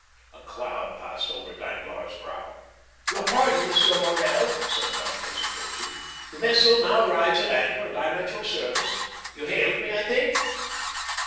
A cloud passed over Danglars' brow. "Your pardon, M. Morrel," said Dantès, approaching, "the vessel now rides at anchor, and I am at your service. You hailed me, I think?"